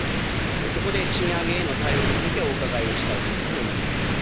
そこで、賃上げへの対応について、お伺いをしたいというふうに思います。